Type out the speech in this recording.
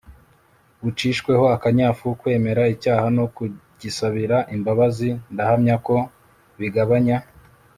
bucishweho akanyafu. kwemera icyaha no kugisabira imbabazi ndahamya ko bigabanya